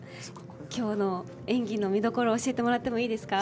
今日の演技の見どころを教えてもらってもいいですか。